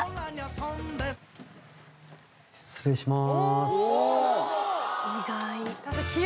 失礼します。